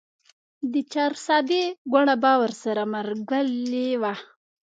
د چارسدې ګوړه به ورسره ملګرې وه.